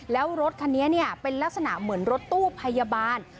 แล้วรถคันนี้เป็นลักษณะเหมือนรถตู้พยาบาล